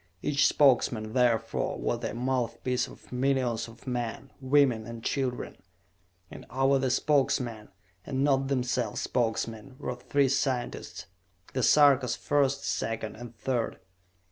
Each Spokesman, therefore, was the mouthpiece of millions of men, women and children. And over the Spokesmen, and not themselves Spokesmen, were three scientists: The Sarkas, First, Second and Third.